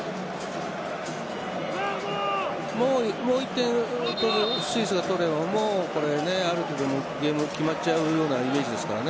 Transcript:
もう１点をスイスが取ればある程度ゲーム決まったようなイメージですからね。